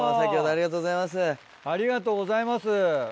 ありがとうございます。